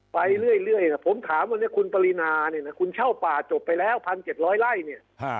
ไปเรื่อยผมถามว่าคุณปารีนาเนี่ยคุณเช่าป่าจบไปแล้วพันเจ็ดร้อยไล่เนี่ย